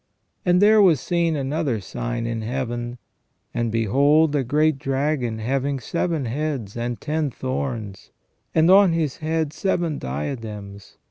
And there was seen another sign in Heaven : and behold a great dragon having seven heads and ten horns; and on his head seven diadems.